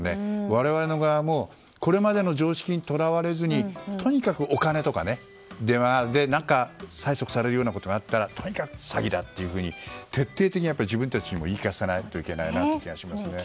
我々の側もこれまでの常識にとらわれずにとにかくお金とかを電話で催促されるようなことがあるととにかく詐欺だと徹底的に自分たちに言い聞かせないといけない気がしますね。